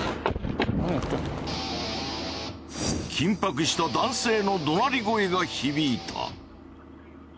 緊迫した男性の怒鳴り声が響いた。